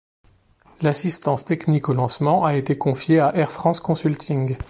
L'assistance technique au lancement a été confiée à Air France Consulting.